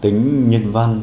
tính nhân văn